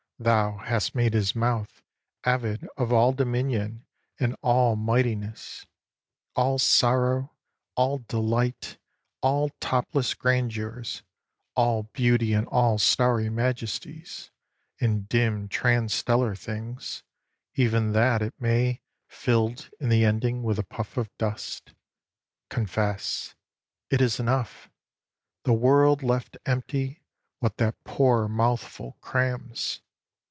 Thou hast made his mouth Avid of all dominion and all mightiness, All sorrow, all delight, all topless grandeurs, All beauty, and all starry majesties, And dim transtellar things; even that it may, Filled in the ending with a puff of dust, Confess "It is enough." The world left empty What that poor mouthful crams.